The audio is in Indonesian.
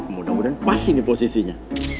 mudah mudahan pas ini posisinya